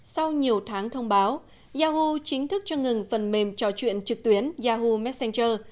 sau nhiều tháng thông báo yaho chính thức cho ngừng phần mềm trò chuyện trực tuyến yahoo messenger